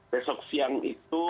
besok siang itu